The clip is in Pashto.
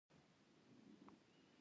دې د عامو رومیانو رول له منځه یووړ